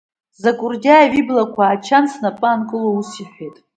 Закурдиаев иблақәа ааччан, снапы аанкыло, ус иҳәеит…